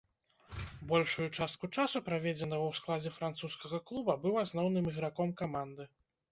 Большую частку часу, праведзенага ў складзе французскага клуба, быў асноўным іграком каманды.